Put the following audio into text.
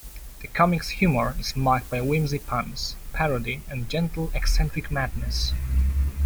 The comic's humor is marked by whimsy, puns, parody, and a gentle, eccentric madness.